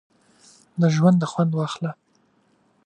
د ژونده خوند واخله!